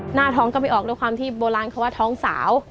หน้าท้องก็ไม่ออกด้วยความที่โบราณเขาว่าท้องสาว